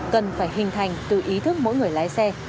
cần phải hình thành từ ý thức mỗi người lái xe